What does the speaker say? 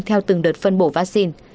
theo từng đợt phân bổ vaccine